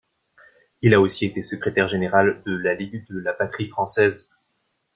Il a aussi été secrétaire général de la Ligue de la patrie française.